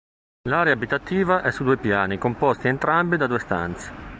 L'area abitativa è su due piani composti entrambi da due stanze.